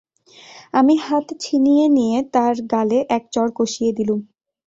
আমি হাত ছিনিয়ে নিয়ে তার গালে এক চড় কষিয়ে দিলুম।